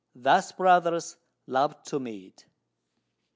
Thus brothers love to meet!